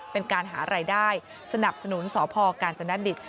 เป็นการหารายได้สนับสนุนสพกาญจนดิต